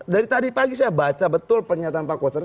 dari tadi pagi saya baca betul pernyataan pak koster